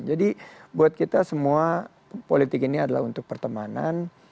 jadi buat kita semua politik ini adalah untuk pertemanan